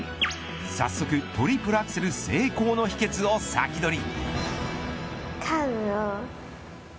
早速、トリプルアクセル成功の秘けつを先取り。